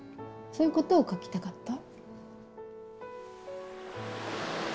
そういうことを描きたかった。